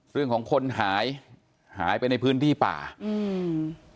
เรื่องของคนหายหายไปในพื้นที่ป่าอืม